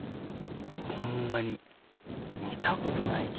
ホンマに見たことないき。